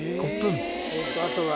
あとは。